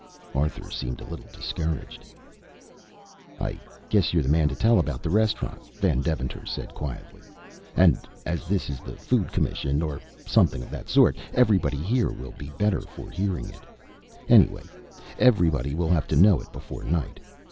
Arthur seemed a little discouraged. "I guess you're the man to tell about the restaurant," Van Deventer said quietly. "And as this is the food commission, or something of that sort, everybody here will be better for hearing it. Anyway, everybody will have to know it before night.